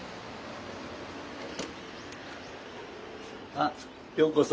あようこそ。